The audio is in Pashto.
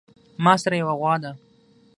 ماسره يوه غوا ده